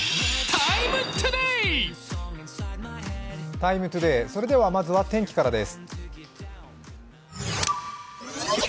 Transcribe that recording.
「ＴＩＭＥ，ＴＯＤＡＹ」、まずは天気からです。